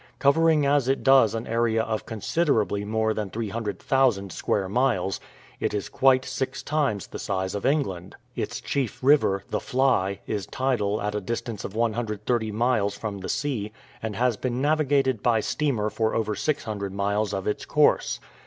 Covering as it does an area of considerably more than 300,000 square miles, it is quite six times the size of England. Its chief river, the Fly, is tidal at a distance of 130 miles from the sea, and has been naviga, ted by steamer for over 600 miles of its course.